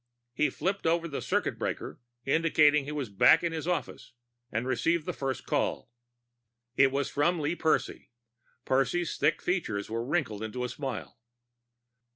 He flipped over the circuit breaker, indicating he was back in his office, and received the first call. It was from Lee Percy. Percy's thick features were wrinkled into a smile.